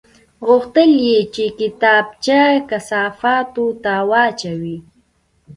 غوښتل یې چې کتابچه کثافاتو ته واچوي